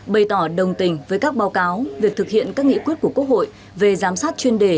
bày tỏ đồng tình với các báo cáo việc thực hiện các nghị quyết của quốc hội về giám sát chuyên đề